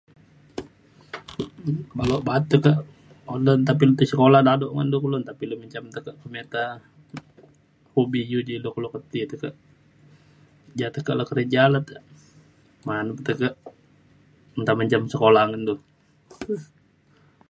baluk ba'at tekak un le nta pilu tai sekola daduk ngan du kulu nta pilu mencam tekek ke meta hobi iu ja' ilu keluk ke ti tekek ja tekek le kerja luk te ma'an pe tekek nta mencam sekola ngan du